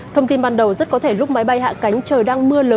thông tin ban đầu rất có thể lúc máy bay hạ cánh trời đang mưa